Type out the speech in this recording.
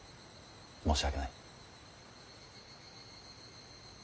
申し訳ない。